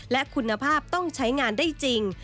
และคุณภาพต้องใช้งานได้จริง